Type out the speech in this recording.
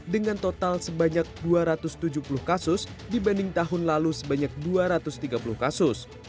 dengan total sebanyak dua ratus tujuh puluh kasus dibanding tahun lalu sebanyak dua ratus tiga puluh kasus